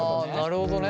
なるほどね。